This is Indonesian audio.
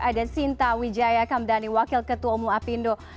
ada sinta wijaya kamdhani wakil ketua umum apindo